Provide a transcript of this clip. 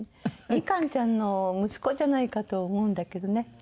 みかんちゃんの息子じゃないかと思うんだけどね。